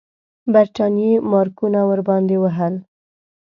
برټانیې مارکونه ورباندې وهل.